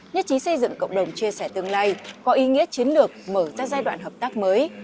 nhất trí xây dựng cộng đồng chia sẻ tương lai có ý nghĩa chiến lược mở ra giai đoạn hợp tác mới